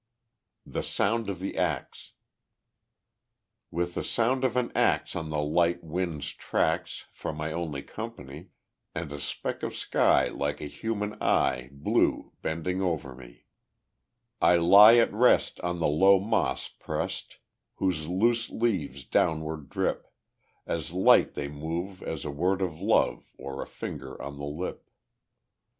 The Sound of the Axe With the sound of an axe on the light wind's tracks For my only company, And a speck of sky like a human eye Blue, bending over me, I lie at rest on the low moss pressed, Whose loose leaves downward drip; As light they move as a word of love Or a finger to the lip.